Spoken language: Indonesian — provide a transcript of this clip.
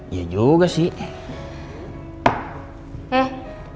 iya juga sih